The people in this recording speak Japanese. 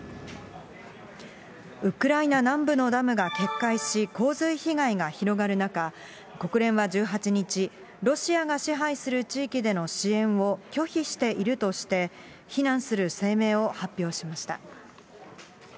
ウクライナ南部のダムが決壊し、洪水被害が広がる中、国連は１８日、ロシアが支配する地域での支援を拒否しているとして、非難する声明を発表しました。